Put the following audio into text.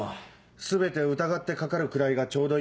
全てを疑って掛かるくらいがちょうどいい。